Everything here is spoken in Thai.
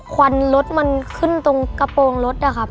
ควันรถมันขึ้นตรงกระโปรงรถนะครับ